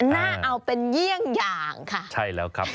น่าเอาเป็นเยี่ยงอย่างค่ะ